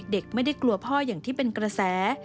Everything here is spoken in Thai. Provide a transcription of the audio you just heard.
เด็กไม่ได้กลัวพ่ออย่างที่เป็นกระแส